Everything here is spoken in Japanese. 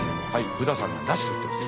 ブダさんがなしと言ってます。